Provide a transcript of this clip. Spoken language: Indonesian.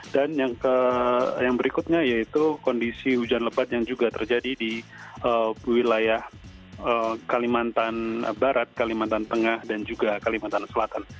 dan yang berikutnya yaitu kondisi hujan lebat yang juga terjadi di wilayah kalimantan barat kalimantan tengah dan juga kalimantan selatan